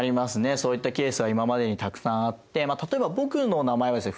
そういったケースは今までにたくさんあって例えば僕の名前はですね